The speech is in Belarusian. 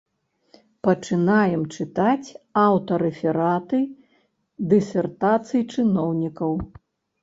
Пачынаем чытаць аўтарэфераты дысертацый чыноўнікаў.